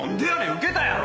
ウケたやろ！